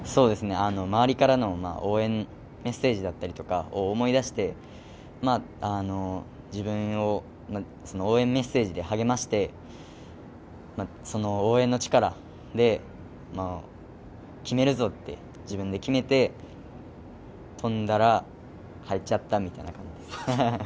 周りからの応援メッセージだったりとかを思い出して、自分を応援メッセージで励まして、その応援の力で決めるぞ！って自分で決めて飛んだら入っちゃったみたいな感じです。